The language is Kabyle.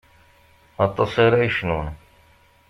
Aṭas ara yecnun.